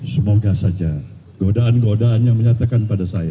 semoga saja godaan godaan yang menyatakan pada saya